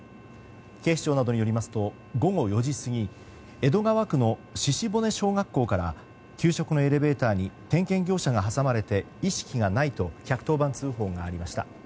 警視庁などによりますと午後４時過ぎ江戸川区の鹿骨小学校から給食のエレベーターに点検業者が挟まれて意識がないと１１０番通報がありました。